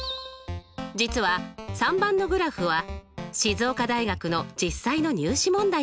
実は３番のグラフは静岡大学の実際の入試問題なんです。